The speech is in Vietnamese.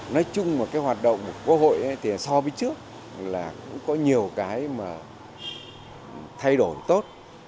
nói chung và cái hoạt động của quốc hội thì so với trước là cũng có nhiều cái mà thay đổi tốt